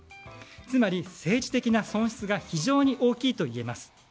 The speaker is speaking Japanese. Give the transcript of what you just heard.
つまり、政治的な損失が非常に大きいといえます。